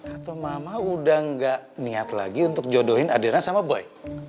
atau mama udah gak niat lagi untuk jodohin adilnya sama boy